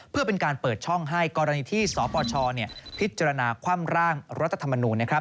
เพื่อเป็นการเปิดช่องให้กรณีที่สปชพิจารณาคว่ำร่างรัฐธรรมนูญนะครับ